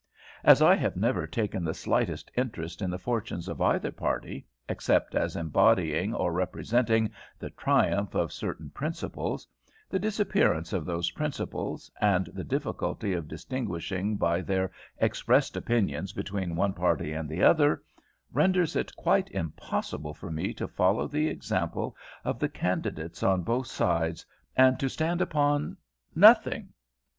As I have never taken the slightest interest in the fortunes of either party, except as embodying or representing the triumph of certain principles, the disappearance of those principles, and the difficulty of distinguishing by their expressed opinions between one party and the other, renders it quite impossible for me to follow the example of the candidates on both sides, and to stand upon nothing!